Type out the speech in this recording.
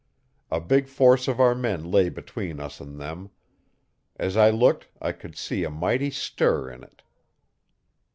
A big force of our men lay between us and them. As I looked I could see a mighty stir in it.